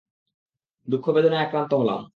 দুঃখ-বেদনায় আক্রান্ত হলাম।